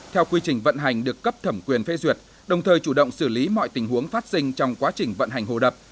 theo quy trình vận hành được cấp thẩm quyền phê duyệt đồng thời chủ động xử lý mọi tình huống phát sinh trong quá trình vận hành hồ đập